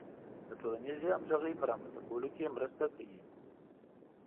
د ټولنیزې همغږۍ په رامنځته کولو کې مرسته کوي.